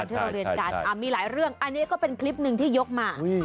ที่เราเรียนกันมีหลายเรื่องอันนี้ก็เป็นคลิปหนึ่งที่ยกมา